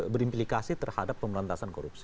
berimplikasi terhadap pemberantasan korupsi